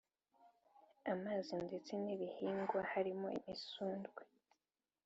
amazi ndetse n’ibihingwa harimo imisundwe